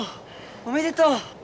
おめでとう。